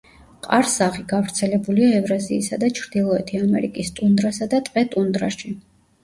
ყარსაღი გავრცელებულია ევრაზიისა და ჩრდილოეთი ამერიკის ტუნდრასა და ტყე-ტუნდრაში.